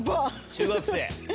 中学生。